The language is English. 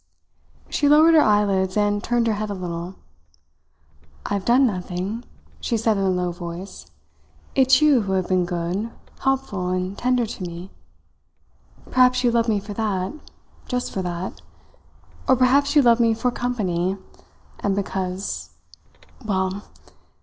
She lowered her eyelids and turned her head a little. "I have done nothing," she said in a low voice. "It's you who have been good, helpful, and tender to me. Perhaps you love me for that just for that; or perhaps you love me for company, and because well!